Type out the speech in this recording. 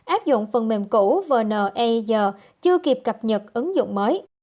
áp dụng phần mềm cũ vna chưa kịp cập nhật ứng dụng mới